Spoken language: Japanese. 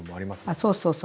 そうそうそう。